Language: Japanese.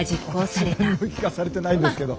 何も聞かされてないんですけど。